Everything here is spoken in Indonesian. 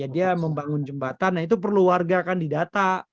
dia membangun jembatan nah itu perlu warga kan didata